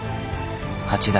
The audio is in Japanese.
八代